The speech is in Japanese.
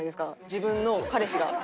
自分の彼氏が。